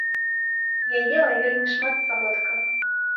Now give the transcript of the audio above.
Я ела вельмі шмат салодкага!